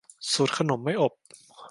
สูตรขนมไม่อบ